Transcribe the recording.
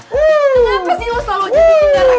kenapa sih lo selalu jadi kendaraan